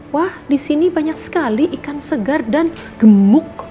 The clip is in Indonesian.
wah disini banyak sekali ikan segar dan gemuk